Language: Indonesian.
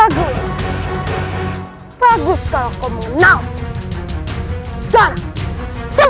aku harus mencari tahu